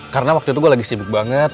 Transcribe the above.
karena waktu itu gue lagi sibuk banget